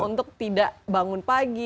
untuk tidak bangun pagi